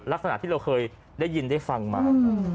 ลักษณะที่เราเคยได้ยินได้ฟังมา